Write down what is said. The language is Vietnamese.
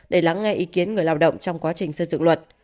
để lắng nghe ý kiến người lao động trong quá trình xây dựng luật